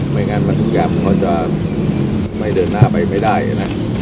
ไม่งั้นมันคุ้กยามก็จะไม่เดินหน้าไปได้นะ